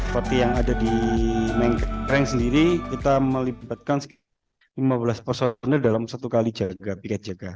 menkering sendiri kita melibatkan lima belas personel dalam satu kali jaga pikat jaga